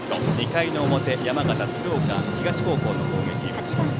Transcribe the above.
２回の表山形・鶴岡東高校の攻撃。